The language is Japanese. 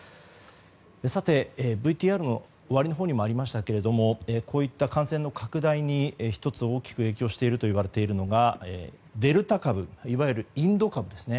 さて、ＶＴＲの終わりにもありましたがこういった感染の拡大に一つ大きく影響しているといわれるのがデルタ株いわゆるインド株ですね。